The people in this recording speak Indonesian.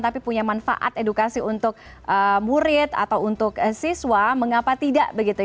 tapi punya manfaat edukasi untuk murid atau untuk siswa mengapa tidak begitu